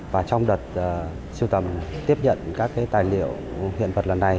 và trong đợt siêu tầm tiếp nhận các tài liệu hiện vật lần này